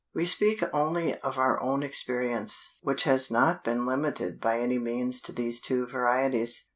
We speak only of our own experience, which has not been limited by any means to these two varieties.